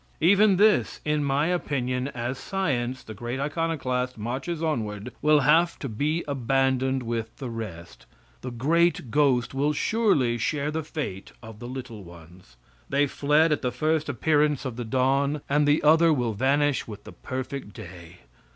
Even this, in my opinion, as science, the great iconoclast, marches onward, will have to be abandoned with the rest. The great ghost will surely share the fate of the little ones. They fled at the first appearance of the dawn, and the other will vanish with the perfect day.